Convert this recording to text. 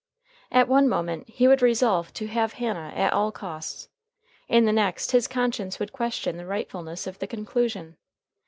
At one moment he would resolve to have Hannah at all costs. In the next his conscience would question the rightfulness of the conclusion.